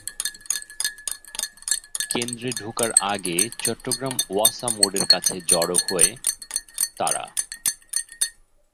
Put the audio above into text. কেন্দ্রে ঢোকার আগে চট্টগ্রাম ওয়াসা মোড়ের কাছে জড়ো হয় তারা।